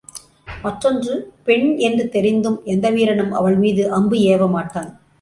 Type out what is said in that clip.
மற்றொன்று பெண் என்று தெரிந்தும் எந்த வீரனும் அவள் மீது அம்பு ஏவமாட்டான்.